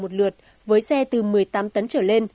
một lượt với xe từ một mươi tám tấn trở lên